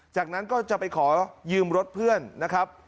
จากนั้นก็จะไปขอยืมรถเพื่อนนะครับ